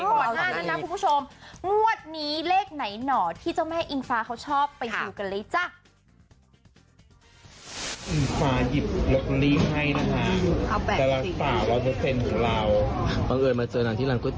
ก่อนหน้านั้นนะคุณผู้ชมงวดนี้เลขไหนหน่อที่เจ้าแม่อิงฟ้าเขาชอบไปดูกันเลยจ้ะ